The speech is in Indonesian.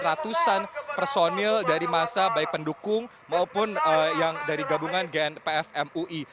ratusan personil dari masa baik pendukung maupun yang dari gabungan gnpf mui